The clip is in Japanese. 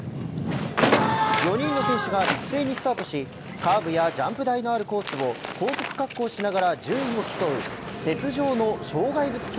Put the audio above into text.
４人の選手が一斉にスタートしカーブやジャンプ台のあるコースを高速滑降しながら順位を競う雪上の障害物